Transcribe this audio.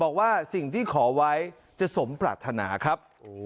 บอกว่าสิ่งที่ขอไว้จะสมปรารถนาครับ